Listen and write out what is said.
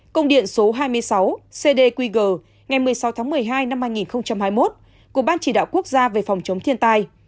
công điện số hai mươi sáu cdqg ngày một mươi sáu tháng một mươi hai năm hai nghìn hai mươi một của ban chỉ đạo quốc gia về phòng chống thiên tai